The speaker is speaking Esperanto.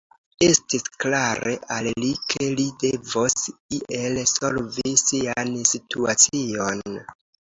Estis klare al li, ke li devos iel solvi sian situacion.